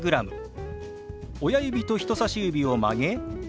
親指と人さし指を曲げ